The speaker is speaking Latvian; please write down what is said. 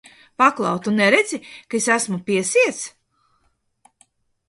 Paklau, tu neredzi, ka es esmu piesiets?